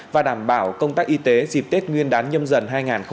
và đảm bảo công tác y tế dịp tết nguyên đán nhâm dần hai nghìn hai mươi bốn